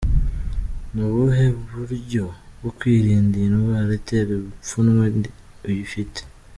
Ni ubuhe buryo bwo kwirinda iyi ndwara itera ipfunwe uyifite?.